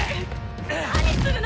何するの！？